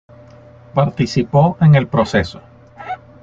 Participó en el proceso.